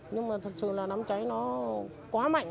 nhưng mà thật sự là đám cháy nó quá mạnh